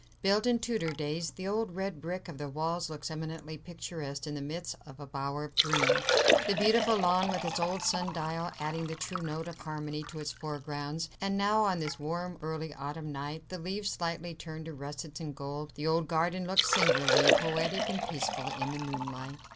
Built in Tudor days, the old red brick of the walls looks eminently picturesque in the midst of a bower of green, the beautiful lawn, with its old sun dial, adding the true note of harmony to its foreground. Great secular trees lent cool shadows to the grounds, and now, on this warm early autumn night, the leaves slightly turned to russets and gold, the old garden looked singularly poetic and peaceful in the moonlight.